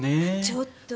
ちょっと！